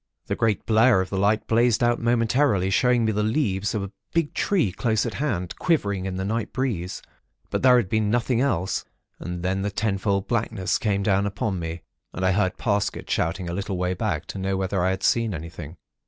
The great blare of the light blazed out momentarily, showing me the leaves of a big tree close at hand, quivering in the night breeze; but there had been nothing else; and then the ten fold blackness came down upon me, and I heard Parsket shouting a little way back to know whether I had seen anything.